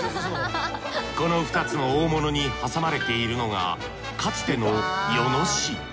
この２つの大物に挟まれているのがかつての与野市。